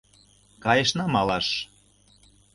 Кайышна малаш.